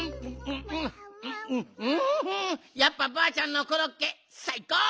やっぱばあちゃんのコロッケさいこう！